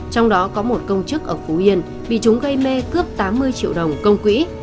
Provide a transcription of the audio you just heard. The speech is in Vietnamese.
trong đó có một công chức ở phú yên bị chúng gây mê cướp tám mươi triệu đồng công quỹ